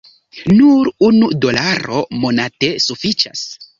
Nur unu dolaro monate sufiĉas